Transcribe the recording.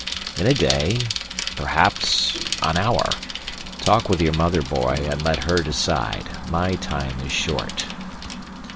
"In a day, perhaps, an hour. Talk with your mother, boy, and let her decide. My time is short."